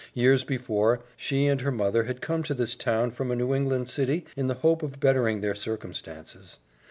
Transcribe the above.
Years before, she and her mother had come to this town from a New England city in the hope of bettering their circumstances.